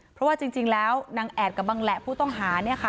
เพราะว่าจริงแล้วนางแอดกับบังแหละผู้ต้องหา